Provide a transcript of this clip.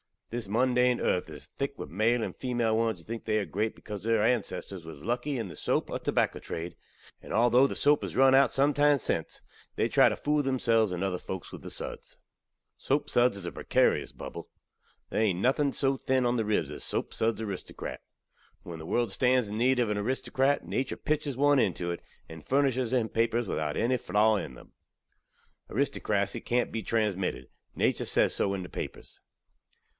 This mundane earth iz thik with male and femail ones who think they are grate bekause their ansesstor waz luckey in the sope or tobacco trade; and altho the sope haz run out sumtime since, they try tew phool themselves and other folks with the suds. Sope suds iz a prekarious bubble. Thare ain't nothing so thin on the ribs az a sope suds aristokrat. When the world stands in need ov an aristokrat, natur pitches one into it, and furnishes him papers without enny flaw in them. Aristokrasy kant be transmitted natur sez so in the papers.